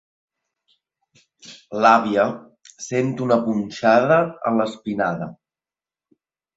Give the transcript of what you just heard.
L'àvia sent una punxada a l'espinada.